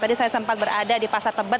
tadi saya sempat berada di pasar tebet